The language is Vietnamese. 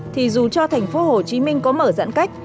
thì dù cho thành phố hồ chí minh có mở giãn cách